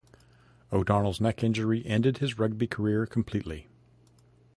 O'Donnell's neck injury ended his rugby career completely.